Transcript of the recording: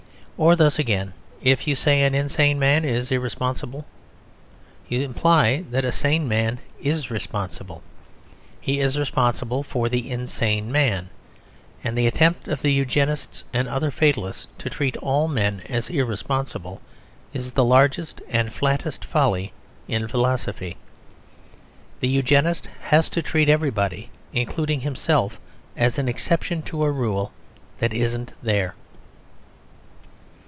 Or thus again, if you say an insane man is irresponsible, you imply that a sane man is responsible. He is responsible for the insane man. And the attempt of the Eugenists and other fatalists to treat all men as irresponsible is the largest and flattest folly in philosophy. The Eugenist has to treat everybody, including himself, as an exception to a rule that isn't there.